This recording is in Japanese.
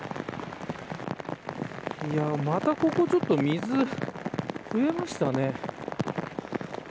また、ここちょっと、水増えましたね。